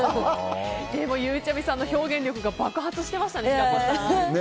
ゆうちゃみさんの表現力が爆発してましたね、平子さん。